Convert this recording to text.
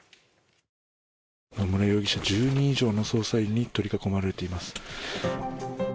野村容疑者、１０人以上の捜査員に取り囲まれています。